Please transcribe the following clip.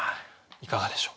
いかがでしょう？